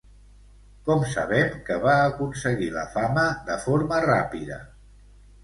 Com sabem que va aconseguir la fama de forma ràpida?